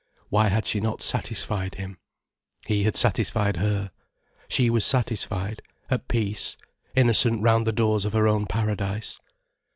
Why had she not satisfied him? He had satisfied her. She was satisfied, at peace, innocent round the doors of her own paradise.